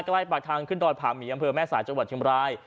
ใกล้ปากทางขึ้นดอยผาหมีอำเภอแม่สายจังหวัดเชียงบราย